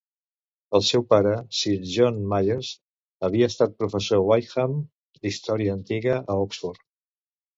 El seu pare, Sir John Myres, havia estat Professor Wykeham d'història antiga a Oxford.